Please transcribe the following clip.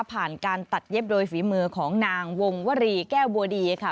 ผ่านการตัดเย็บโดยฝีมือของนางวงวรีแก้วบัวดีค่ะ